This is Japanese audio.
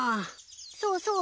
そうそう。